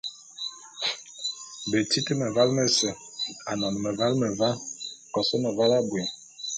Betit mevale mese, anon meval meva, kos meval abui.